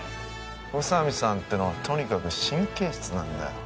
宇佐美さんってのはとにかく神経質なんだよ